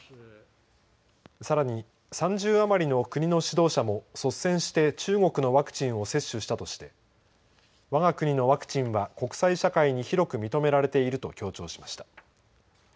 さらに、３０余りの国の指導者も率先して中国のワクチンを接種したとしてわが国のワクチンは国際社会に広く認められていると強調しました。